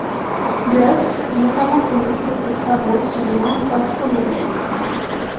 Blust est notamment connu pour ses travaux sur les langues austronésiennes.